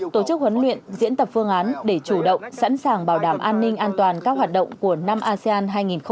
tổ chức huấn luyện diễn tập phương án để chủ động sẵn sàng bảo đảm an ninh an toàn các hoạt động của năm asean hai nghìn hai mươi